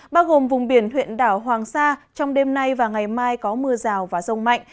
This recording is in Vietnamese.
bao gồm vùng biển huyện đảo hoàng sa trong đêm nay và ngày mai có mưa rào và rông mạnh